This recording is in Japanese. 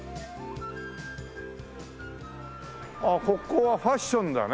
ここはファッションだね。